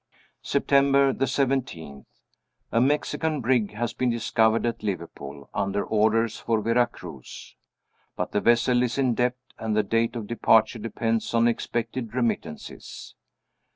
September 17. A Mexican brig has been discovered at Liverpool, under orders for Vera Cruz. But the vessel is in debt, and the date of departure depends on expected remittances!